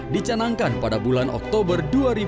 dicanangkan pada bulan oktober dua ribu dua puluh